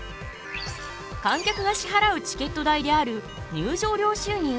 観客が支払うチケット代である入場料収入。